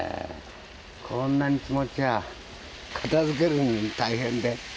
こんなに積もっちゃ、片づけるのも大変で。